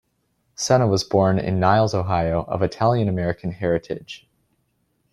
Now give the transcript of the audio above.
Sena was born in Niles, Ohio of Italian-American heritage.